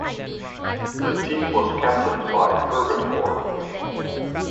The team was captained by Herbert Orr.